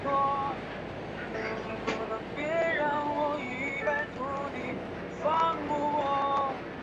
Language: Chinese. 巴塞隆拿是冠军。